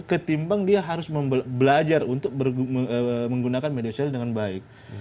ketimbang dia harus belajar untuk menggunakan media sosial dengan baik